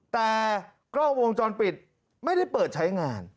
แต่กล้องวงจรปิดไม่ได้เปิดใช้งาน